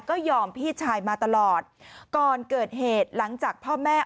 ก็ยอมพี่ชายมาตลอดก่อนเกิดเหตุหลังจากพ่อแม่